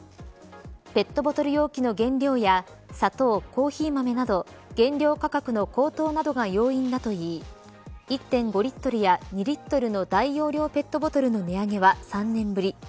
ペットボトル容器の原料や砂糖、コーヒー豆など原料価格の高騰などが要因だといい１．５リットルや２リットルの大容量ペットボトルの値上げは３年ぶり